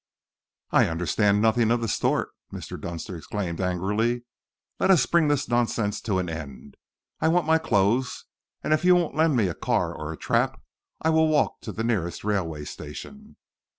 "I understand nothing of the sort," Mr. Dunster exclaimed angrily. "Let us bring this nonsense to an end. I want my clothes, and if you won't lend me a car or a trap, I'll walk to the nearest railway station."